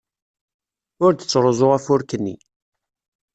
Ur d-ttruẓu afurk-nni.